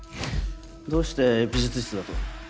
どうして美術室だと？